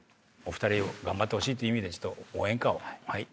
お二人頑張ってほしいっていう意味でちょっと応援歌を。